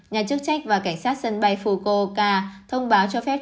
nhà chức trách và cảnh sát sân bay fukoka thông báo cho phép